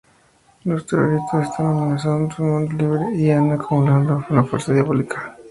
Los terroristas están amenazando el mundo libre y han acumulado una fuerza diabólica.